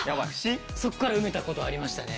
そこから埋めた事ありましたね。